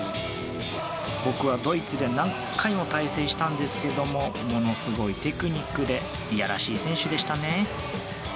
僕はドイツで何回も対戦したんですけれどもものすごいテクニックでいやらしい選手でしたね。